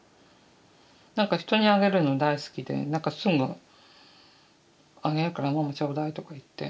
何か人にあげるの大好きで何かすぐ「あげるからママちょうだい」とか言って。